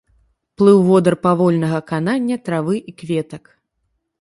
Плыў водар павольнага канання травы і кветак.